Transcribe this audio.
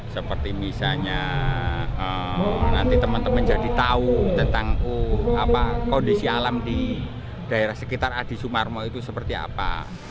seperti misalnya nanti teman teman jadi tahu tentang kondisi alam di daerah sekitar adi sumarmo itu seperti apa